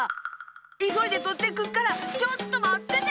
いそいでとってくっからちょっとまってて！